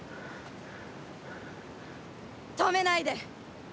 止めないで！